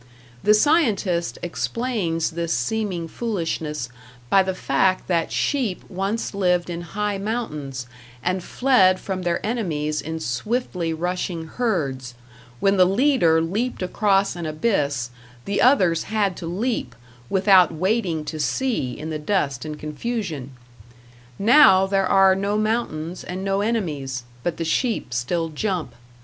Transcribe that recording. The scientist explains this seeming foolishness by the fact that sheep once lived in high mountains, and fled from their enemies in swiftly rushing herds; when the leader leaped across an abyss, the others had to leap, without waiting to see in the dust and confusion. Now there are no mountains and no enemies, but the sheep still jump.